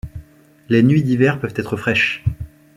Les nuits d'hiver peuvent être fraîches.